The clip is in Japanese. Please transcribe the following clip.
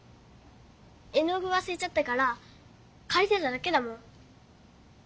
絵の具わすれちゃったからかりてただけだもん。